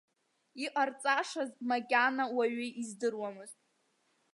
Иҟарҵашаз макьана уаҩы издыруамызт.